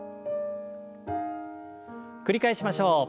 繰り返しましょう。